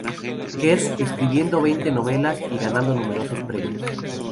Kerr, escribiendo veinte novelas y ganando numerosos premios.